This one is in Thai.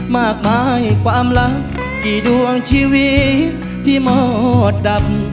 มากมายความรักกี่ดวงชีวิตที่หมอดดำ